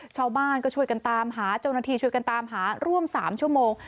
ชาวบ้านก็ช่วยกันตามหาเจ้าหน้าที่ช่วยกันตามหาร่วม๓ชั่วโมง